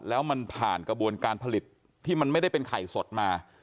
แล้วมันผ่านกระบวนการผลิตที่มันไม่ได้เป็นไข่สดมา